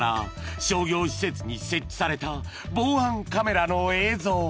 ［商業施設に設置された防犯カメラの映像］